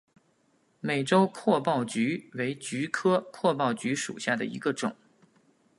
美洲阔苞菊为菊科阔苞菊属下的一个种。